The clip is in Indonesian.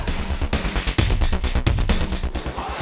hebat juga lo ya